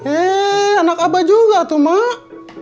eh anak abah juga tuh emak